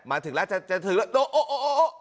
มาถึงแล้วจะถึงแล้วโดโอ๊ะ